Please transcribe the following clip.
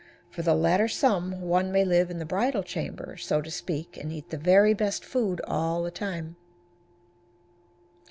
For the latter sum one may live in the bridal chamber, so to speak, and eat the very best food all the time.